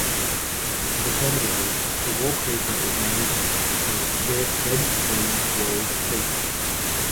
Alternatively, the wallcreeper is named the red-winged wall creeper.